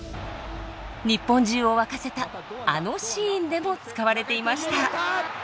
日本中を沸かせたあのシーンでも使われていました。